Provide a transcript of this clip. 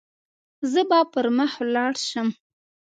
زه به پر مخ ولاړ شم.